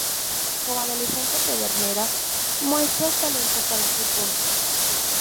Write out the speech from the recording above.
Como adolescente, Pedernera muestra el talento para el fútbol.